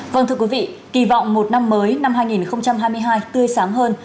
vâng thưa quý vị kỳ vọng một năm mới năm hai nghìn hai mươi hai tươi sáng hơn